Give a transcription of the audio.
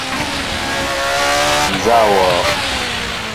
Nzá wɔɔ ?